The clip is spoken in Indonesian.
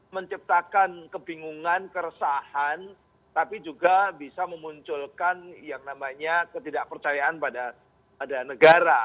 menciptakan kebingungan keresahan tapi juga bisa memunculkan yang namanya ketidakpercayaan pada negara